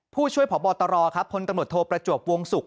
ผู้ช่วยผ่อบอตรคนกำหนดโทรประจวกวงศุกร์